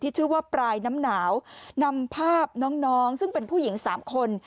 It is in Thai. ชื่อว่าปลายน้ำหนาวนำภาพน้องซึ่งเป็นผู้หญิงสามคน